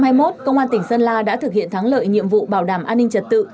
năm hai nghìn một công an tỉnh sơn la đã thực hiện thắng lợi nhiệm vụ bảo đảm an ninh trật tự